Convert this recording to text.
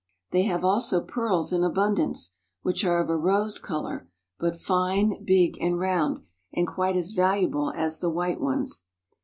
They have also pearls in abundance, which are of a rose color, but fine, big, and round, and quite as valuable as the white ones.